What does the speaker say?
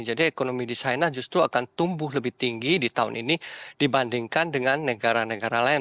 jadi ekonomi di china justru akan tumbuh lebih tinggi di tahun ini dibandingkan dengan negara negara lain